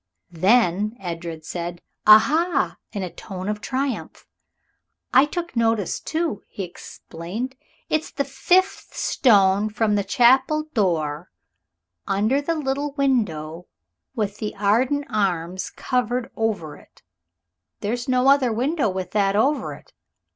Then Edred said, "Aha!" in a tone of triumph. "I took notice, too," he explained. "It's the fifth stone from the chapel door under the little window with the Arden arms carved over it. There's no other window with that over it.